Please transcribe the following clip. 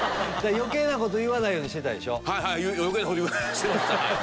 余計なこと言わないようにしてました。